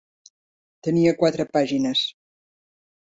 Tenia quatre pàgines.